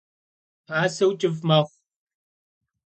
Paseu ç'ıf mexhu.